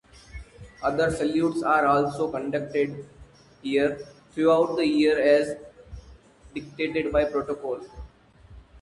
Other salutes are also conducted here throughout the year as dictated by protocol.